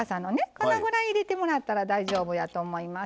このぐらい入れてもらったら大丈夫やと思います。